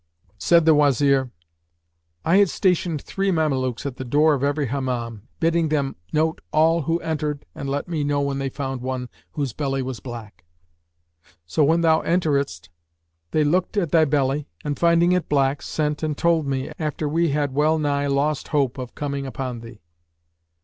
Said the Wazir, "I had stationed three Mamelukes at the door of every Hammam, bidding them note all who entered and let me know when they found one whose belly was black: so, when thou enteredst, they looked at thy belly and, finding it black, sent and told me, after we had well nigh lost hope of coming upon thee.